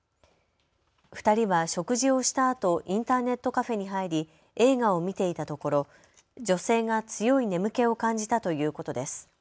２人は食事をしたあとインターネットカフェに入り映画を見ていたところ女性が強い眠気を感じたということです。